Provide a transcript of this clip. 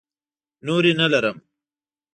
نورې نه لرم.